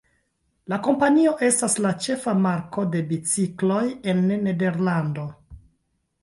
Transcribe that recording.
La kompanio estas la ĉefa marko de bicikloj en Nederlando.